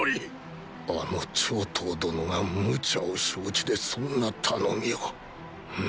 あの張唐殿が無茶を承知でそんな頼みを！